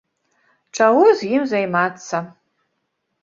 Чаго з ім займацца.